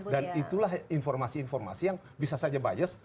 dan itulah informasi informasi yang bisa saja bias